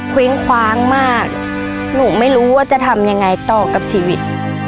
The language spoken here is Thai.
เว้งคว้างมากหนูไม่รู้ว่าจะทำยังไงต่อกับชีวิต